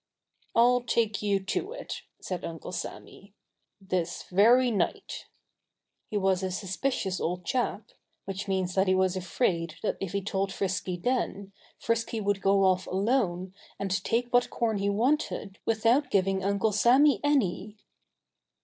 "I'll take you to it," said Uncle Sammy "this very night." He was a suspicious old chap which means that he was afraid that if he told Frisky then, Frisky would go off alone and take what corn he wanted without giving Uncle Sammy any.